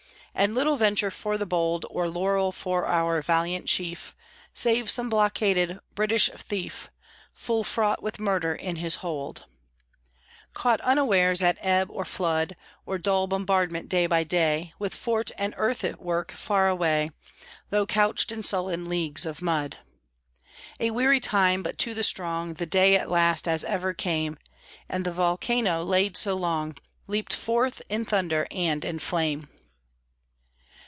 And little venture for the bold, Or laurel for our valiant Chief, Save some blockaded British thief, Full fraught with murder in his hold, Caught unawares at ebb or flood, Or dull bombardment, day by day, With fort and earthwork, far away, Low couched in sullen leagues of mud. A weary time, but to the strong The day at last, as ever, came; And the volcano, laid so long, Leaped forth in thunder and in flame!